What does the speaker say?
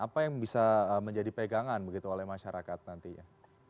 apa yang bisa menjadi pegangan begitu oleh masyarakat nantinya